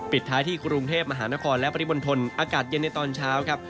ปิดท้ายที่กรุงเทพมหานครและปริมณฑลอากาศเย็นในตอนเช้าครับ